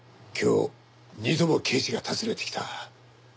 今日二度も刑事が訪ねてきた。